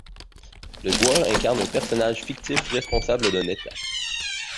Le joueur incarne un personnage fictif responsable d’un état.